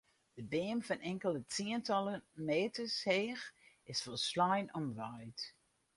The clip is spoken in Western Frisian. De beam fan inkelde tsientallen meters heech is folslein omwaaid.